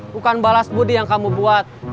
bukan balas budi yang kamu buat